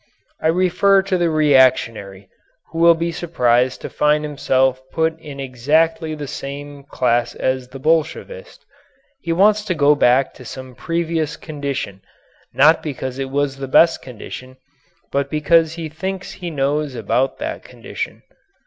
I refer to the reactionary who will be surprised to find himself put in exactly the same class as the Bolshevist. He wants to go back to some previous condition, not because it was the best condition, but because he thinks he knows about that condition.